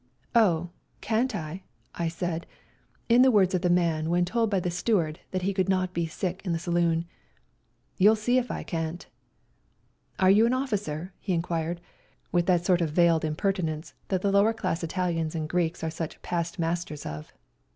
" Oh, can't I ?" I said (in the words of the man when told by the steward that he could not be sick in the saloon), '' you'll see if I can't." " Are you an officer ?" he inquired, with that sort of veiled impertinence that the lower class Italians and Greeks are such past masters of.